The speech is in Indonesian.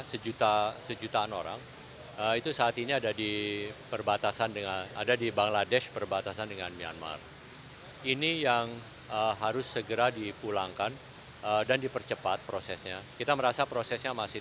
sejuta sejutaan orang itu saat ini ada di perbatasan dengan ada di bangladesh perbatasan dengan myanmar ini yang harus wisea adilrichtering m enclavier bhatt pride pro lyn philosopher maafkan kita yang kecuali mempunyai kedown iri di malaysia misalnya